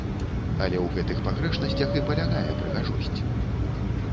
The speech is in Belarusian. Але ў гэтых пагрэшнасцях і палягае прыгажосць.